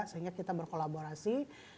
sehingga kita berkolaborasi